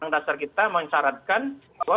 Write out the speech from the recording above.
dasar kita mencaratkan bahwa